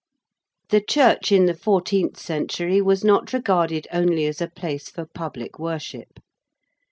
] The church in the fourteenth century was not regarded only as a place for public worship.